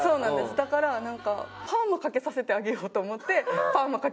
だからなんかパーマかけさせてあげようと思って。